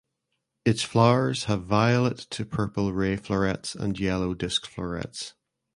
Its flowers have violet to purple ray florets and yellow disk florets.